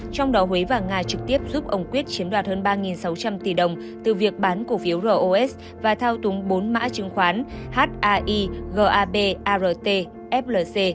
trong đó huế và nga trực tiếp giúp ông quyết chiếm đoạt hơn ba sáu trăm linh tỷ đồng từ việc bán cổ phiếu ros và thao túng bốn mã chứng khoán h a i g a b a r t f l c